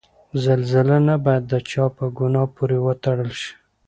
زلزله نه باید د چا په ګناه پورې وتړل شي.